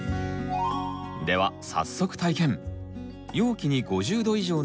では早速体験。